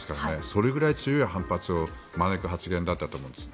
それぐらい強い反発を招く発言だったと思うんです。